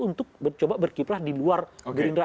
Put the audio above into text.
untuk coba berkiprah di luar gerindra